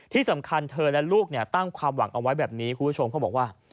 ที่สำคัญเธอและลูกตั้งความหวังเอาไว้แบบนี้คุณผู้ชมเขาบอกว่า